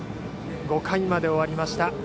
５回まで終わりました